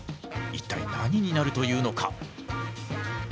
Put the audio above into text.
一体何になるというのか？